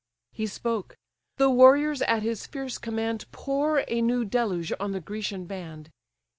He spoke—the warriors at his fierce command Pour a new deluge on the Grecian band.